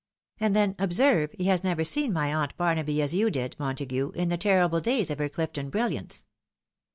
And then, observe, he has never seen my aunt Barnaby as you did, Montague, in the terrible days of her Clifton bril hanoe.